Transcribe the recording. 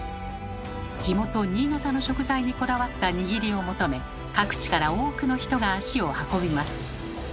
地元新潟の食材にこだわった握りを求め各地から多くの人が足を運びます。